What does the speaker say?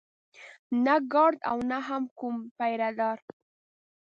نه ګارډ و او نه هم کوم پيره دار.